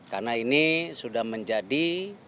karena ini sudah menjadi